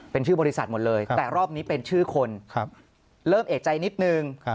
เป็นชื่อบริษัทหมดเลยแต่รอบนี้เป็นชื่อคนเริ่มเอกใจนิดนึง